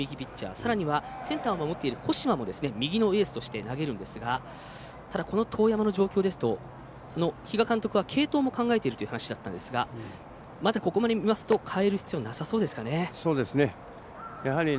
さらにはセンターを守っている後間も右のエースとして投げるんですがこの當山の状況ですと比嘉監督は継投も考えてるという話でしたがここまでを見ていますと代える必要はなさそうですかね。